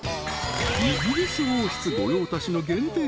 ［イギリス王室御用達の限定